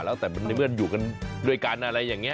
ตั้งแต่มันเหมือนอยู่ด้วยกันอะไรอย่างเนี้ย